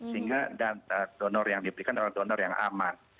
sehingga donor yang diberikan adalah donor yang aman